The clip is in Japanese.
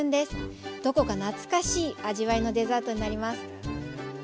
どこか懐かしい味わいのデザートになります。